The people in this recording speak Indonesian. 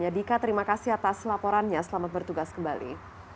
yadika terima kasih atas laporannya selamat bertugas kembali